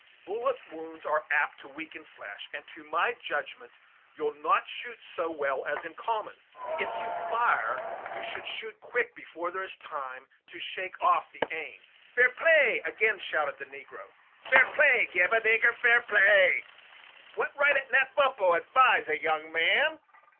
Bullet wounds are apt to weaken flesh, and to my judgment you'll not shoot so well as in common. If you will fire, you should shoot quick, before there is time to shake off the aim." "Fair play," again shouted the negro; "fair play gib a nigger fair play. What right a Nat Bumppo advise a young man?